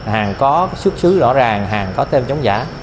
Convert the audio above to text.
hàng có xuất xứ rõ ràng hàng có tem chống giả